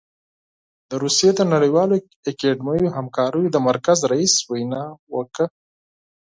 د روسيې د نړیوالو اکاډمیکو همکاریو د مرکز رییس وینا وکړه.